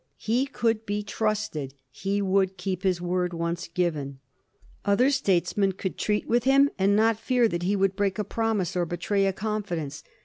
He could be trusted ; he would keep his word, once given. Other statesmen could treat with him, and not fear that he would break a promise or betray a confidence.